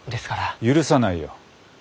許さないよ。